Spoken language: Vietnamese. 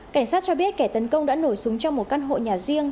cảnh sát cho biết kẻ tấn công đã nổ súng trong một căn hộ nhà riêng